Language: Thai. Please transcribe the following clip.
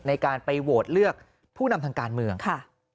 ในการไปโหวตเลือกผู้นำทางการเมืองค่ะ